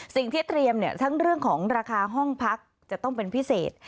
สิ่งที่เตรียมทั้งเรื่องของราคาห้องพักจะต้องเป็นพิเศษ